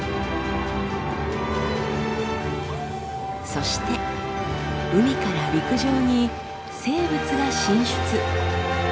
そして海から陸上に生物が進出。